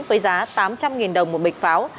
với giá tám trăm linh đồng một bịch pháo